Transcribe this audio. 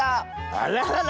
あららら。